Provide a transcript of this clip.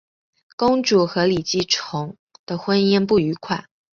公主和李继崇的婚姻不愉快。